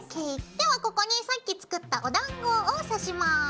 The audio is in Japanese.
ではここにさっき作ったおだんごを刺します。